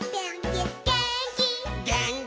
「げーんき」